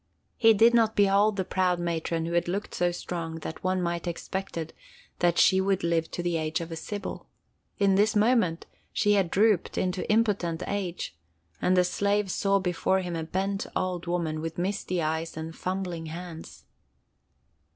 He did not behold the proud matron who had looked so strong that one might have expected that she would live to the age of a sibyl. In this moment, she had drooped into impotent age, and the slave saw before him a bent old woman with misty eyes and fumbling hands.